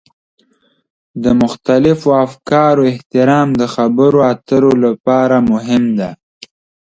د مختلفو افکارو احترام د خبرو اترو لپاره مهم دی.